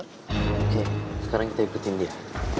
oke sekarang kita ikutin dia